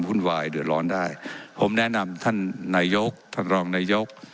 วุ่นวายเดือดร้อนได้ผมแนะนำท่านนายกท่านรองนายก